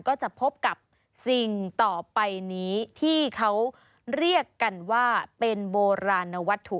ก็จะพบกับสิ่งต่อไปนี้ที่เขาเรียกกันว่าเป็นโบราณวัตถุ